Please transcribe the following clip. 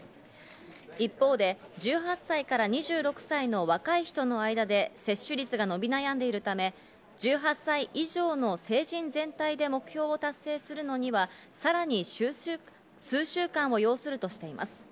一方で１８歳から２６歳の若い人の間で接種率が伸び悩んでいるため、１８歳以上の成人全体で目標を達成するのにはさらに数週間を要するとしています。